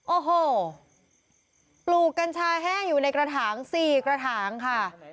โอ้โหปลูกกัญชาแห้งอยู่ในกระถาง๔กระถางค่ะ